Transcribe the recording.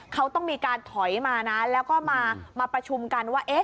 เขาต้องมีการถอยมานะแล้วก็มาประชุมกันว่า